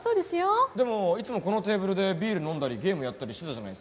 でもいつもこのテーブルでビール飲んだりゲームやったりしてたじゃないですか。